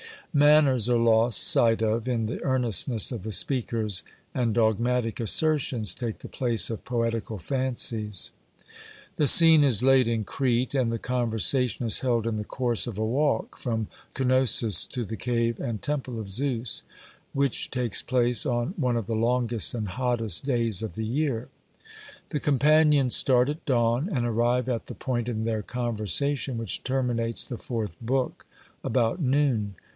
Manners are lost sight of in the earnestness of the speakers, and dogmatic assertions take the place of poetical fancies. The scene is laid in Crete, and the conversation is held in the course of a walk from Cnosus to the cave and temple of Zeus, which takes place on one of the longest and hottest days of the year. The companions start at dawn, and arrive at the point in their conversation which terminates the fourth book, about noon.